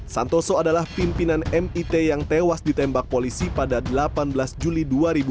santoso adalah pimpinan mit yang tewas ditembak polisi pada delapan belas juli dua ribu dua puluh